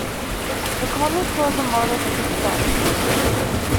The comic was a modest success.